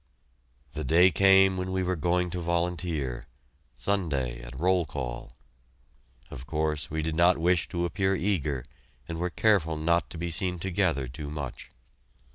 The day came when we were going to volunteer Sunday at roll call. Of course, we did not wish to appear eager, and were careful not to be seen together too much.